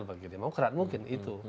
bagi demokrat mungkin itu